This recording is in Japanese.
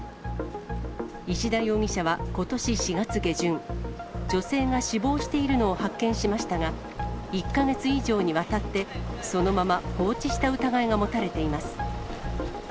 石田容疑者はことし４月下旬、女性が死亡しているのを発見しましたが、１か月以上にわたって、そのまま放置した疑いが持たれています。